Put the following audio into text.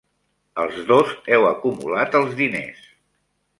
Els dos heu acumulat els diners!